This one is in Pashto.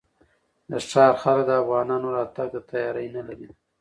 د ښار خلک د افغانانو راتګ ته تیاری نه لري.